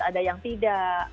ada yang tidak